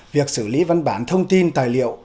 việc xử lý văn bản được trên hệ thống điện tử